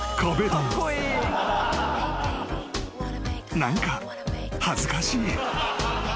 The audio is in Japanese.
［何か恥ずかしい］